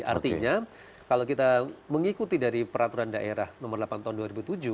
artinya kalau kita mengikuti dari peraturan daerah nomor delapan tahun dua ribu tujuh